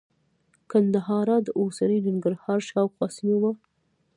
ګندهارا د اوسني ننګرهار شاوخوا سیمه وه